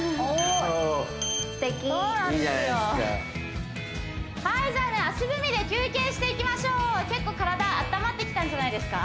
素敵いいじゃないですかはいじゃあね足踏みで休憩していきましょう結構体あったまってきたんじゃないですか？